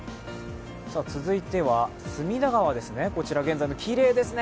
続いては隅田川ですね、現在、きれいですね。